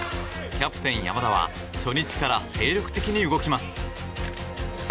キャプテン、山田は初日から精力的に動きます。